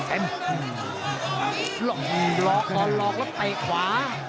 หลอกหลอกอ๋อหลอกแล้วเตะขวา